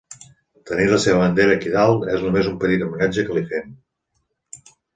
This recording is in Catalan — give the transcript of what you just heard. Tenir la seva bandera aquí dalt és només un petit homenatge que li fem.